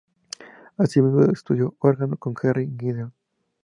Asimismo estudió órgano con Henry Gideon.